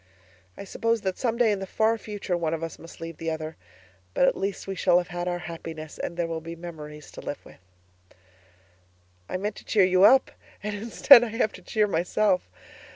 I suppose that some day in the far future one of us must leave the other; but at least we shall have had our happiness and there will be memories to live with. I meant to cheer you up and instead I have to cheer myself.